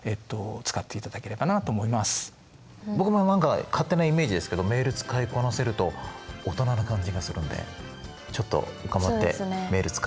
僕の何か勝手なイメージですけどメール使いこなせると大人な感じがするんでちょっと頑張ってメール使いこなせるように。